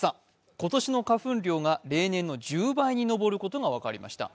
今年の花粉量が平年の１０倍に上ることが分かりました。